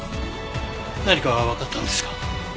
何かわかったんですか？